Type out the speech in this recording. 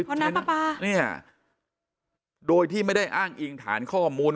เพราะน้ำปลาปลาเนี่ยโดยที่ไม่ได้อ้างอิงฐานข้อมูล